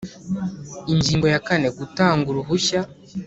Ingingo ya kane Gutanga uruhushya